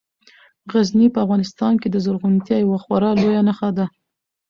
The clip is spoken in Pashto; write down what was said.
غزني په افغانستان کې د زرغونتیا یوه خورا لویه نښه ده.